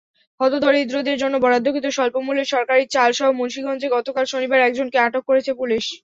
হতদরিদ্রদের জন্য বরাদ্দকৃত স্বল্পমূল্যের সরকারি চালসহ মুন্সিগঞ্জে গতকাল শনিবার একজনকে আটক করেছে পুলিশ।